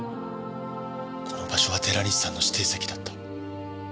この場所は寺西さんの指定席だった。